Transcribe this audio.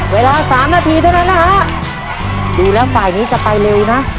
เวลาสามนาทีเท่านั้นนะฮะดูแล้วฝ่ายนี้จะไปเร็วนะ